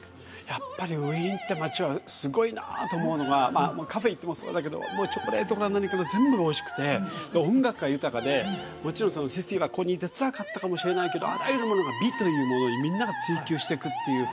やっぱりウィーンって街はすごいなあと思うのがカフェ行ってもそうだけどもうチョコレートから何から全部おいしくて音楽が豊かでもちろんシシィはここにいてつらかったかもしれないけどあらゆるものが美というものにみんなが追求していくっていう